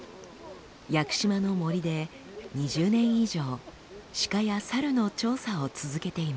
屋久島の森で２０年以上シカやサルの調査を続けています。